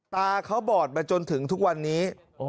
ตาเขาบอดมาจนถึงทุกวันนี้